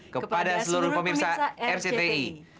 kepada seluruh pemirsa rcti